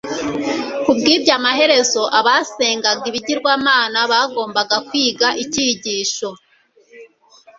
Kubwibyo amaherezo abasengaga ibigirwamana bagombaga kwiga icyigisho